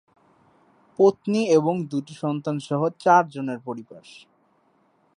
পত্নী এবং দুটি সন্তান সহ চারজনের পরিবার।